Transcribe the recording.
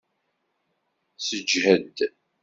Seǧhed!